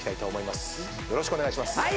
よろしくお願いします。